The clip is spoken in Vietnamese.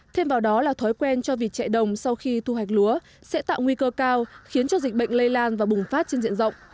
thêm vào đó là thói quen cho vịt chạy đồng sau khi thu hoạch lúa sẽ tạo nguy cơ cao khiến cho dịch bệnh lây lan và bùng phát trên diện rộng